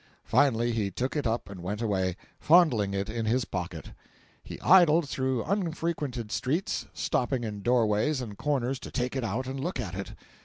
Finally he took it up, and went away, fondling it in his pocket. He idled through unfrequented streets, stopping in doorways and corners to take it out and look at it.